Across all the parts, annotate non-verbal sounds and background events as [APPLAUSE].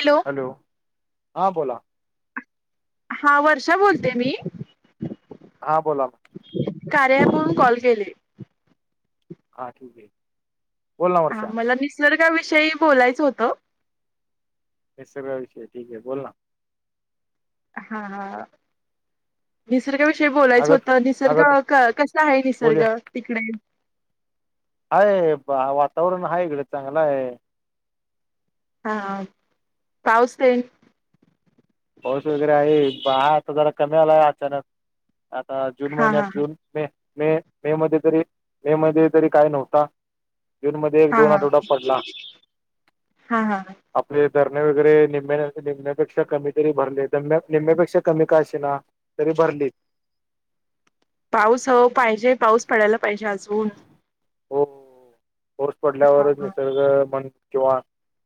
Hello hello हां बोला. हा वर्षा बोलते मी. हां बोला. कार्य अँप म्हणून कॉल केले? हा ठीक आहे. बोल ना हा वर्षा मला निसर्गाविषयी बोलायचं होतं. निसर्ग विषयी ठीक आहे बोल. हा हा निसर्गाविषयी बोलायचं अगं होतं निसर्ग अगं कसा आहे बोलूया निसर्ग तिकडे? हाय वातावरण आहे गड्या चांगलं आहे. हा पाऊस ते? पाऊस वगैरे आहे पहा आता जरा कमी आलाय अचानक आता जून हा महिन्यात हा जून मे मे मे मध्ये तरी मे मध्ये तरी काय नव्हता. जूनमध्येध्ये एक हा दोन हा आठवडा पडला. हा हा आपले धरणे वगैरे नि निमण्यापेक्षा कमी तरी भरलेमम्या निम्म्यापेक्षा कमी काय ना तरी भरली. पाऊस हो पाहिजे पाऊस पडायला पाहिजे अजून. हो पाऊस हा पडल्यावरच हा निसर्ग मन किंवा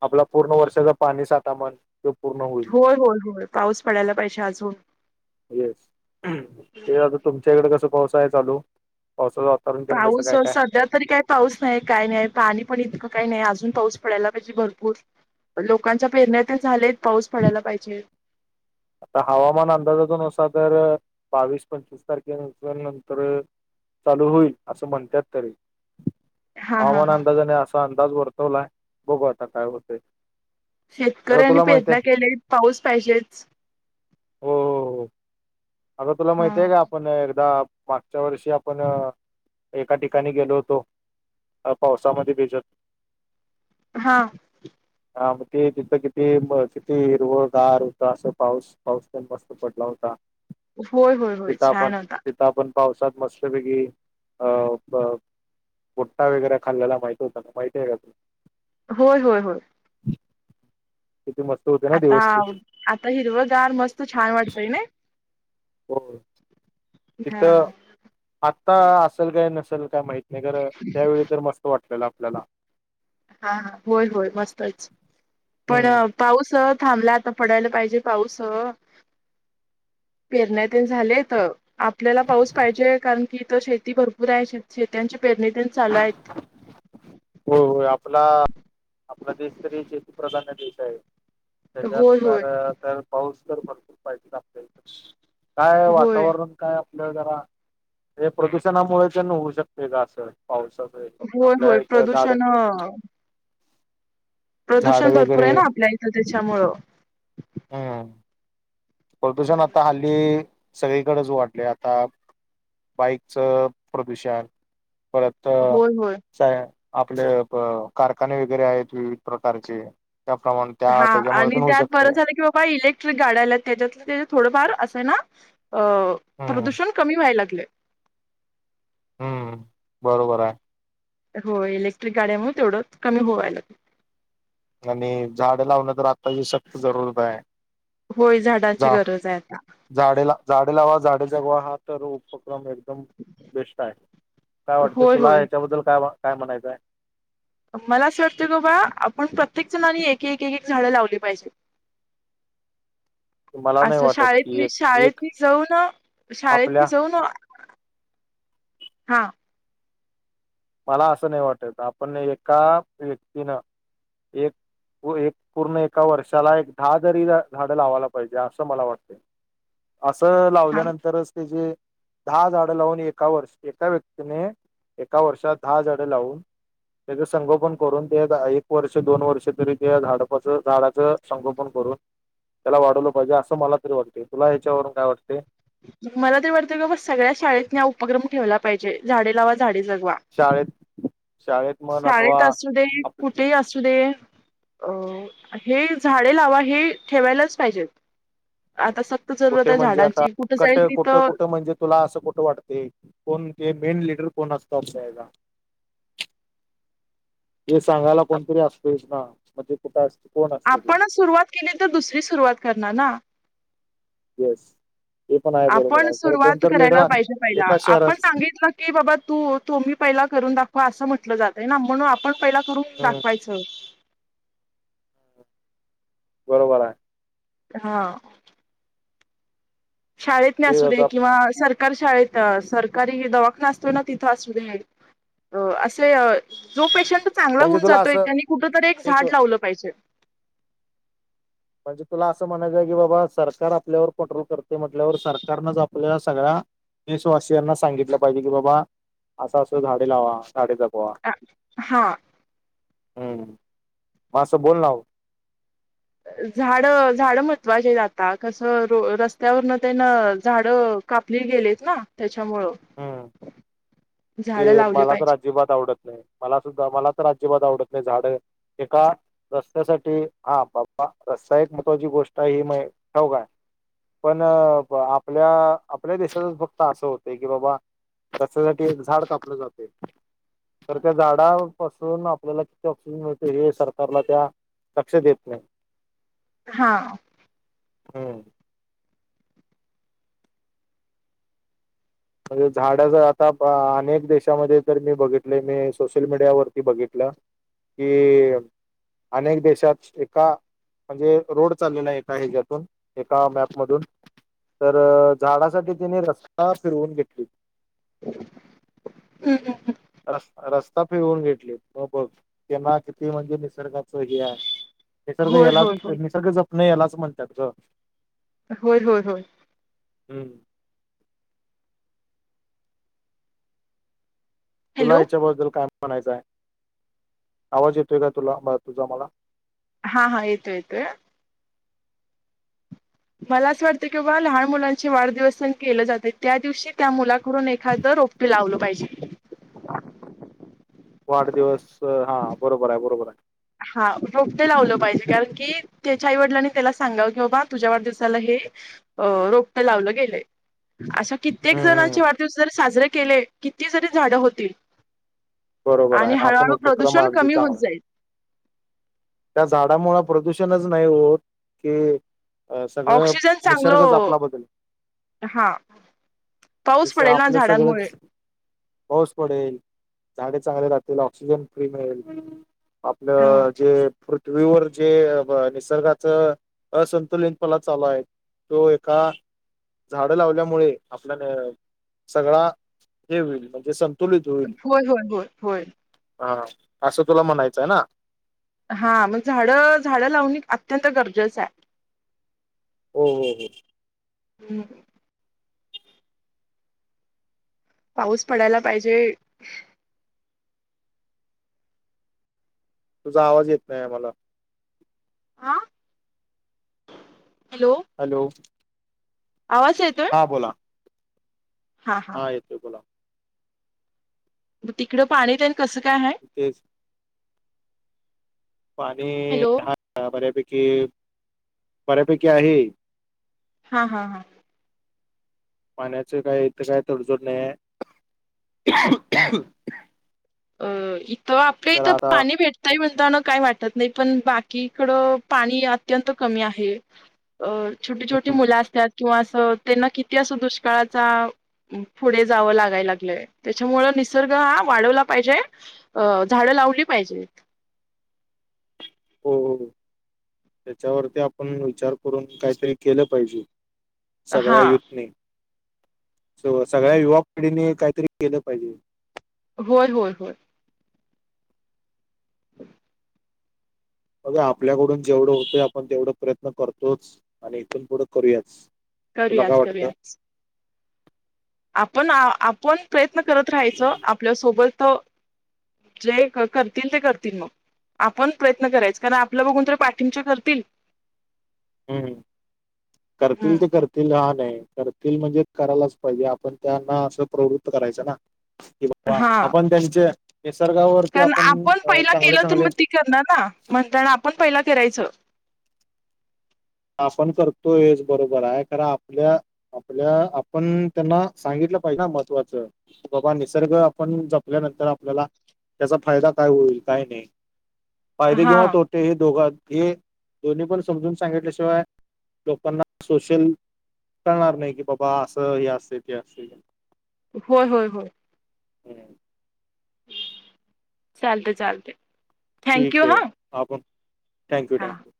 आपला पूर्ण वर्षाच पाणी साता म्हण ते पूर्ण होईल होय होय होय पाऊस पडायला पाहिजे अजून येस ते आता तुमच्याकडे कसं पावसा आहे चालू पावसा पाऊस सध्या तरी काही पाऊस नाही काय नाही पाणी पण इतकं काही नाही अजून पाऊस पडायला पाहिजे भरपूर लोकांच्या पेरण्या ते झालेत पाऊस पडायला पाहिजे आता हवामान अंदाजातून असा तर बावीस पंचवीस तारखे नंतर चालू होईल असं म्हणतात तरी हा हा हवामान हा अंदाजाने असा अंदाज वर्तवलाय बघू आता काय होतय शेतकऱ्यांनी पेरणी केले पाऊस पाहिजेच. हो हो आता तुला हा माहिती आहे का आपण एकदा मागच्या वर्षी आपण एका ठिकाणी गेलो होतो. पावसामध्ये भेजत? हा. हा मग ते, तिथं किती म किती हिरवंगारए. असं पाऊस. पाऊस पण मस्त पडला होता. होय होय होय. छान होता. आता आपण पावसात मस्तपैकी अ- भुट्टा वगैरे खाल्ल्याला माहिती होता का? माहितीय का तुला? होय होय होय. किती मस्त होते ना आता दिवस ते. आता हिरवगार मस्त छान वाटतय नाही? होय. हा तिथं आत्ता असेल काय? नसेल काय? माहीत नाही खरं त्यावेळी- तर मस्त वाटलेलं आपल्याला. हा ह होय होय मस्तच. हम्म पण- पाऊस थांबलाय. आता पडायला पाहिजे पाऊस- पेरण्या ते झाल्या इथं. आपल्याला पाऊस पाहिजेए. कारण की इथ शेती भरपूर आहे. शेत्यांची पेरणी ते चालू आहेत. हो होय आपला- आपला देश तरी शेतीप्रधान देश आहे. होय होय त्याच्यानुसार- तर पाऊस तर भरपूर पाहिजे आपल्याला. काय हो होय वातावरण- काय आपलं जरा हे प्रदूषणामुळे त्यां न होऊ शकते का असं पावसच? होय होय प्रदूषण- झाड प्रदूषण भरपूर वगैरे आहे ना? आपल्या इथं त्याच्यामुळं- हम्म प्रदूषण आता हल्ली सगळीकडेच वाढलंय आता- बाईकचं प्रदूषण. परत- होय होय आपले कारखाने वगैरे आहेत. विविध प्रकारचे त्याप्रमाणे- त्या हा त्याच्यामुळे आणि पण होऊ त्यात बरं शकते झालं की बाबा इलेक्- ट्रिक गाड्या आल्यात. त्यानी थोडंफार असं ना, अ- हम्म प्रदूषण कमी व्हायला लागलय. हम्म. बरोबर आहे. हो. इलेक्ट्रिक गाड्यामुळे तेवढं कमी व्हायला लागं- आणि झाड लावण तर आत्ताची सक्त जरूरत आहे. होय. झाडाची झा गरज आहे आता. झाडे ला झाडे लावा झाडे जगवा. हा तर उपक्रम एकदम बेस्ट आहे. काय वाटतं? होय तुला होय ह्याच्याबद्दल काय, काय म्हणायचंय? मला असं वाटतंय बाबा. आपण प्रत्येक जणानी एक- एक, एक -एक झाडं लावली पाहिजे. मला नाही असं वाटत की शाळेतली. एक एक शाळेत जाऊन, शाळेत आपल्या जाऊन- हा. मला असं नाही वाटत. आपण एका व्यक्तीनं एक- एक पूर्ण एका वर्षाला एक दहा तरी झाडं लावायला पाहिजे असं मला वाटतय. असं हा लावल्यानंतरच त्याचे- दहा झाडं लावून एका वर्ष. एका व्यक्तीने एका वर्षात दहा झाडं लावून- त्याच संगोपन करून ते एक वर्ष, दोन वर्ष तरी त्या झाडपाचं झाडाचं- संगोपन करून त्याला वाढवलं पाहिजे. असं मला तरी वाटते. तुला ह्याच्यावरून काय वाटते? मला तरी वाटतं कि बाबा सगळ्या शाळेतनी हा उपक्रम ठेवला पाहिजे. झाडे लावा -झाडे जगवा. शाळेत शाळेत म्हण अथवा शाळेत असू दे. आप कु - ठे असू दे. अ हे झाडे लावा हे ठेवायलाच पाहिजेत. आता सक्त जरुरत कुठे आहे म्हणजे आता झाडांची. कुठं कट जाईल कुठ तिथं कुठ म्हणजे तुला असं कुठ वाटते कोण ते मेन लीडर कोण असतं [INAUDIBLE] हे सांगायला कोणतरी असतच ना, [UNINTELLIGIBLE] आपणच सुरुवात केली तर दुसरी सुरुवात करणार ना? येस. हे पण आहे बरोबर आपण आहे. तर सुरुवात कोणतरी करायला लिडर पाहिजे पहिला एका आपण शहरस- सांगितलं की बाबा तू तुम्ही पहिला करून दाखवा. असं म्हटलं जातय ना? म्हणून आपण- पहिला करून हम्म दाखवायचं. बरोबर आहे. हा शाळेत नाही ते असू दे आता किंवा सरकारी शाळेत सरकारी दवाखाना असतो ना तिथले असू दे अ असे जो पेशंट चांगला म्हणजे होऊन तुला जातोय असं त्यांनी कुठ तरी एक येतो झाड लावलं पाहिजे. म्हणजे तुला असं म्हणायचं की बाबा सरकार आपल्यावर पट्रोल करते म्हटल्यावर सरकारनंच आपल्याला सगळ्या देशवासियांना सांगितलं पाहिजे की बाबा असं असं झाडे लावा झाडे जपवा. हा हम्म मा असं बोल ना झाड झाड महत्त्वाची जाता कसं र रस्त्यावरन त्यांन झाड कापली गेलेत ना त्याच्यामुळं हम्म. ते झाडं लावली मला तर पाहिजे अजिबात आवडत नाही मला सुद्धा मला तर अजिबात आवडत नाही झाड एका रस्त्यासाठी हा बाबा रस्ता एक महत्त्वाची गोष्ट आहे ही मय ठेऊ काय.. पण आपल्या आपल्या देशातच फक्त असं होतं की बाबा कच्यासाठी झाड कापलं जाते. तर त्या झाडापासून आपल्याला किती ऑक्सिजन मिळत हे सरकारला त्या लक्ष देत नाही. हा हम म्हणजे झाड जर आता अनेक देशामध्ये तर मी बघितले मी सोशल मीडियावररती बघितलं. कि अनेक देशात एका म्हणजे रोड चाललेला एक आहे ज्यातून एका मॅप मधून तर झाडासाठी तिने रस्ता फिरवून घेतली. हम् हम् हम् स् रस्ता फिवून घेतली म बघ तेना किती म्हणजे निसर्गाचं हे आहे. निसर्ग होय होय होय यालाच निसर्ग जपण यालाच म्हणतात ग. होय होय होय हं तुला हॅलो याच्याबद्दल काय म्हणायचं आहे आवाज येतोय का तुला तुझा मला. हा हा येतो येत मला असं वाटतं की बाबा लहान मुलांचे वाढदिवस केले जाते त्या दिवशी त्या मुलाकडून एखाद रोप लावलं पाहिजे. वाढदिवस हा बरोबर आहे बरोबर आहे. हा रोपटे लावलं पाहिजे कारण की त्याच्या आईवडलांने त्याला सांगाव की बाबा तुझ्यावर दिसायला हे अ,, रोपट लावलं गेलंय. अशा आहे कित्येक हम्म जणांचे वाढदिवस जरी साजरे केले,, किती जरी झाड होतील. बरोबर आणि आहे हा पण हळूहळू उपक्रम प्रदूषण अगदी कमी चांगला होत जाईल. त्या झाडामुळे प्रदूषणच नाही होत,, कीऽ अ, सगळं ऑक्सिजन निसर्गच चांगलं आपला बदलऽ हा पाऊस त पडेल ना आपलं झाडांमुळे सगळंच, पाऊस पडेल,, झाडे चांगले राहतील, ऑक्सिजन फ्री मिळेल, हा आपलं जेऽ पृथ्वीवर जे निसर्गाच, असंतुलित पना चालू आहऽ तो एका झाड लावल्यामुळे आपल्या सगळा हे होईल म्हणजे स होय होय होय होय हा असं तुला म्हणायचं आहे ना हा,, मग झाडं, झाडं लावणे अत्यंत गरजेचं आहे. हो, हो हो, ह्म, पाऊस पडायला पाहिजे,, तुझा आवाज येत नाही मला. हां,, हॅलो, हॅलो, आवाज येतोय? हां बोला. हा येतोय बोला. तिकडं पाणी तन कसं काय आहे? तेऽ पाणी,, हॅलो हा बऱ्यापैकी, बऱ्यापैकी आहे. हा, हा, हां पाण्याचं काय, इथ काय तडजोड नाही आह. अ,, इथं आपल्या तर इथं आता पाणी भेटऽऽ ही म्हणताना काही वाटत नाही, पण बाकीकडं पाणी अत्यंत कमी आहेऽ ं छोटी छोटी हम्म, मुलं असतात, किंवा असं त्यांना किती असं दुष्काळाचाऽऽ पुढे जावं लागाय लागलंय,, त्याच्यामुळ निसर्ग हा वाढव लागतोऽ पाहिजे,,, झाडं लावली पाहिजे,, हो,,, त्याच्यावरती आपण विचार करून काहीतरी केलं पाहिजे. सगळ्या हा युथनीऽ स सगळ्या युवा पिढीने काहीतरी केलं पाहिजे. होय, होय, होय ह, अग आपल्याकडून जेवढं होतंय आपण तेवढं प्रयत्न करतोच,,, आणि इथून पुढं करूयाच. तुला काय करूयाच, वाटतं करूयाच. आपण,, आपण प्रयत्न करत राहायचं, आपल्यासोबतऽ जे करतीलन ते करतील मग. आपण प्रयत्न करायचं,, कारण आपल्या बघून तर पाठिंच्या करतील. हम्म,, करतील हम्म ते करतीलऽ तील हा नाही,, करतील म्हणजे करायलाच पाहिजे,, आपण त्यांना असं प्रवृत्त करायचं नाऽ कि बाबा,, हा आपण त्यांच्या निसर्गावरत्वर्नऽ कारण आपण पहिला केलं तर मग तेी करणार ना,, म्हणताना आपण पहिला करायचं. आपण करतोयच, बरोबर आहे,, कारण आपल्याऽऽ आपल्या, आपण त्यांना सांगितलं पाहिजे ना महत्त्वाचंऽ बाबा निसर्ग आपण जपल्यानंतर आपल्याला त्याचा फायदा काय होईल, काय नाही. फायदे हा केंवा तोटे,, हे दोघां, हे दोन्ही पण समजून सांगितलेऽ श लोकांना सोशलऽऽ कळणार नाही की बाबा असं हे असते ते असते हो हो हो ह चालत चालते ठीक थँक्यू आहे हां आप थँक यू हां ठथॅँक्यू